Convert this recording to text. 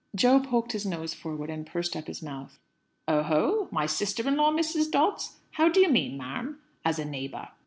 Jo poked his nose forward, and pursed up his mouth. "O ho! my sister in law, Mrs. Dobbs? How do you mean, ma'am, 'as a neighbour'?"